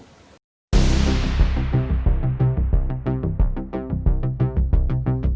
เรื่องว่ายังการ